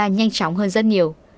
nhanh chóng hơn rất nhiều